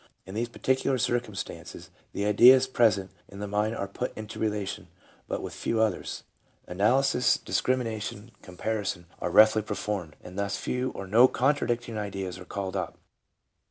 In these particular circum stances the ideas present in the mind are put into relation, but with few others ; analysis, discrimination, comparison, are roughly performed, and thus few or no contradicting ideas are called up.